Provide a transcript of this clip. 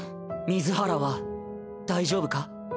水原は大丈夫か？